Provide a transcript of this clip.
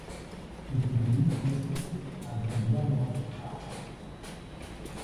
Su gentilicio es "antillano-a".